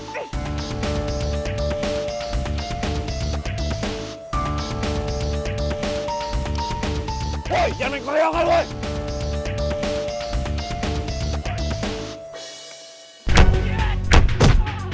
woi jangan main korea banget woi